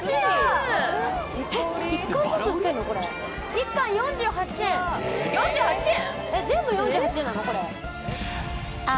一貫４８円４８円？